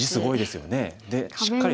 でしっかりと。